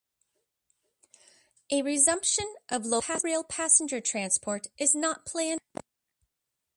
A resumption of local rail passenger transport is not planned there.